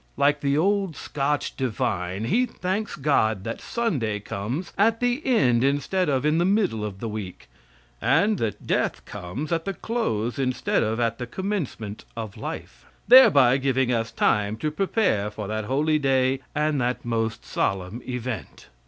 Like the old Scotch divine, he thanks God that Sunday comes at the end instead of in the middle of the week, and that death comes at the close instead of at the commencement of life, thereby giving us time to prepare for that holy day and that most solemn event.